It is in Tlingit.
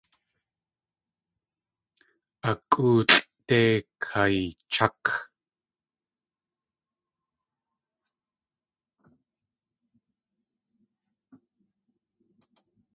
A kʼóolʼde kaychák!